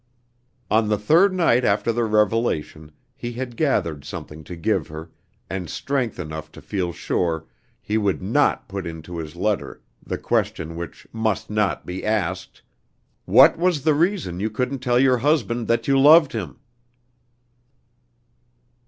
On the third night after the revelation, he had gathered something to give her, and strength enough to feel sure he would not put into his letter the question which must not be asked: "What was the reason you couldn't tell your husband that you loved him?"